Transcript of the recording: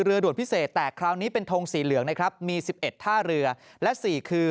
๓เรือด่วนพิเศษแตกคราวนี้เป็นทงสีเหลืองมี๑๑ท่าเรือ